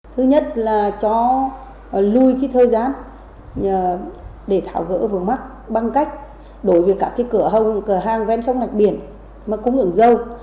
thứ nhất là cho lùi cái thời gian để tháo gỡ vườn mắt bằng cách đổi về các cái cửa hàng ven sông nạch biển mà cung ứng dầu